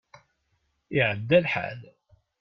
Iɛedda lḥal.